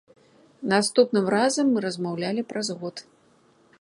Наступным разам мы размаўлялі праз год.